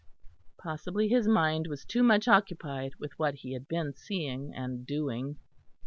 Possibly his mind was too much occupied with what he had been seeing and doing.